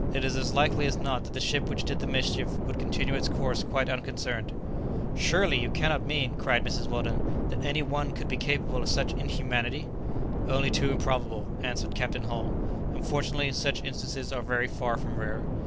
It is as likely as not that the ship which did the mischief would continue its course quite unconcerned." "Surely, you cannot mean," cried Mrs Weldon, "that any one could be capable of such inhumanity?" "Only too probable," answered Captain Hull, "unfortunately, such instances are very far from rare."